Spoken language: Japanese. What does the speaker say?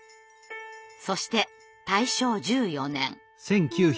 そして大正１４年。